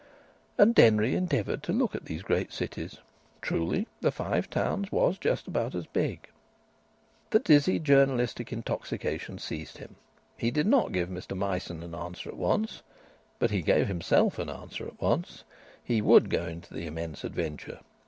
And Denry endeavoured to look at these great cities! Truly the Five Towns was just about as big. The dizzy journalistic intoxication seized him. He did not give Mr Myson an answer at once, but he gave himself an answer at once. He would go into the immense adventure.